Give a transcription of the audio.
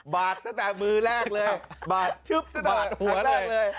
บาดตั้งแต่มือแรกเลยบาดทุบตั้งแต่หัวแรกเลย